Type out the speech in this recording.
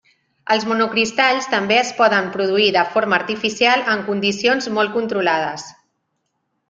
Els monocristalls també es poden produir de forma artificial en condicions molt controlades.